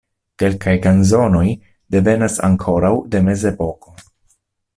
Kelkaj kanzonoj devenas ankoraŭ de mezepoko.